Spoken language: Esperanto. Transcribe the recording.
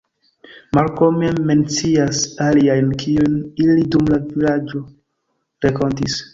Marko mem mencias aliajn, kiujn ili dum la vojaĝo renkontis.